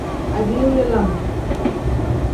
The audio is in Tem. Adiini lam.